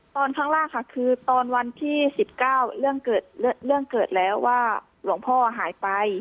ตอนข้างล่างค่ะคือตอนวันที่สิบเก้าเรื่องเกิดเรื่องเกิดแล้วว่าหลวงพ่อหายไป